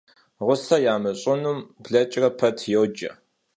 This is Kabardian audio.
Ğuse yamış'ınum bleç're pet yoce.